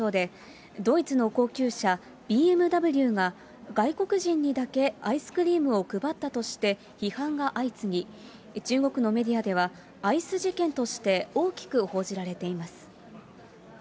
モーターショーで、ドイツの高級車、ＢＭＷが、外国人にだけアイスクリームを配ったとして批判が相次ぎ、中国のメディアでは、アイス事件として大きく報じられています。